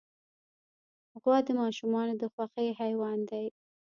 غوا د ماشومانو د خوښې حیوان دی.